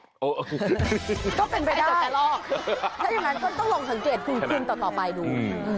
ก็เป็นไปได้ถ้าอย่างนั้นก็ต้องลองสังเกตครึ่งต่อไปดู